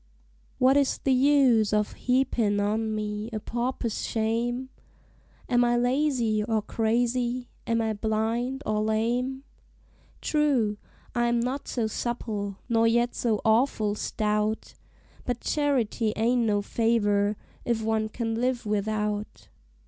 What is the use of heapin' on me a pauper's shame? Am I lazy or crazy? am I blind or lame? True, I am not so supple, nor yet so awful stout; But charity ain't no favor, if one can live without.